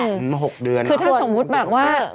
๖เดือนค่ะ๖เดือนค่ะ๖เดือนค่ะคือถ้าสมมุติแบบว่า